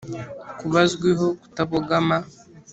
kuba azwiho kutabogama.